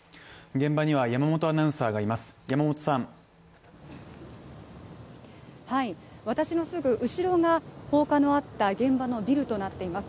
現場には山本アナウンサーがいます。